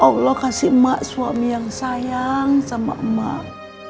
allah kasih emak suami yang sayang sama emak